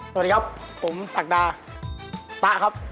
สวัสดีครับผมศักดาตะครับ